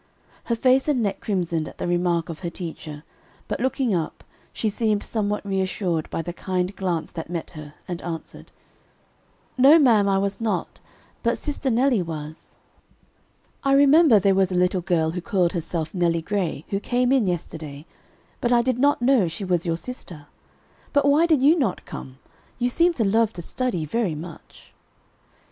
Her face and neck crimsoned at the remark of her teacher, but looking up, she seemed somewhat reassured by the kind glance that met her, and answered: "No, ma'am, I was not, but sister Nelly was." "I remember there was a little girl who called herself Nelly Gray, who came in yesterday, but I did not know she was your sister. But why did you not come? You seem to love to study very much."